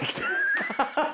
アハハハ！